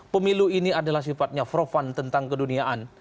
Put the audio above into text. pemilu ini adalah sifatnya profan tentang keduniaan